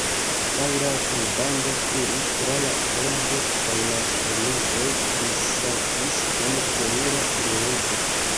Fajra rubando kuris tra la polvo, kaj la ŝtonegoj dissaltis kun terura bruego.